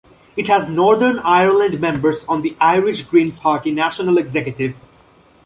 It has Northern Ireland members on the Irish Green Party national executive.